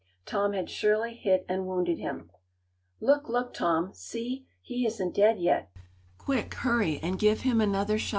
Tom had surely hit and wounded him. "Look, look, Tom! See; he isn't dead yet.